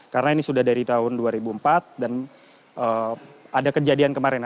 karena ini sudah dari tahun dua ribu empat dan ada kejadian kemarin